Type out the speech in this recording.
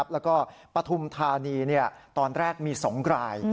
แล้วก็ปฐุมธานีตอนแรกมี๒ราย